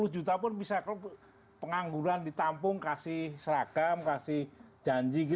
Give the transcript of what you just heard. lima ratus juta pun bisa pengangguran ditampung kasih seragam kasih janji